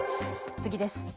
次です。